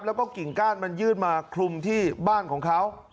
แล้วก็กิ่งก้านมันยื่นมาคลุมที่บ้านของเขา